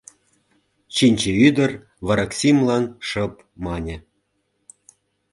- Чинче ӱдыр вараксимлан шып мане.